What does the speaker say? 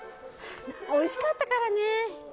おいしかったからね。